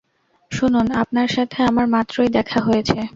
শুনুন আপনার সাথে আমার মাত্রই দেখা হয়েছে।